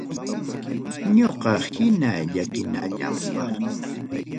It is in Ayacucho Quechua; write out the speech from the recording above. Ñoqa hina llakinallampaq.